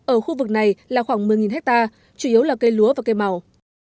ở khu vực này là khoảng một mươi hectare chủ yếu là cây lúa và cây màu